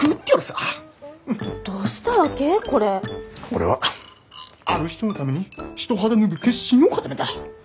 俺はある人のために一肌脱ぐ決心を固めた。